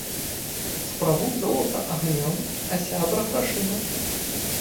Спрабуй золата агнём, а сябра - грашыма